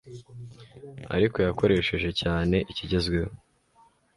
Ariko yakoresheje cyane ikigezweho